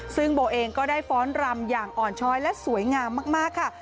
ซึ่งโบเองก็ได้ฟ้อนรำอย่างอ่อนช้อยและสวยงามมากค่ะ